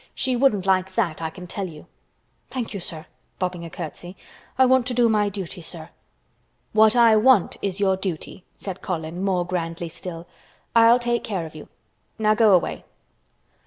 "She wouldn't like that, I can tell you." "Thank you, sir," bobbing a curtsy, "I want to do my duty, sir." "What I want is your duty" said Colin more grandly still. "I'll take care of you. Now go away."